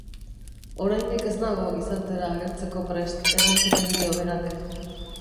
Oraindik ez nago gizartera agertzeko prest, erantzuten dio berak.